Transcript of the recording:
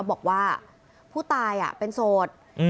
บอกว่าผู้ตายอ่ะเป็นโสดอืม